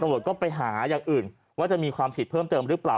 ตำรวจก็ไปหาอย่างอื่นว่าจะมีความผิดเพิ่มเติมหรือเปล่า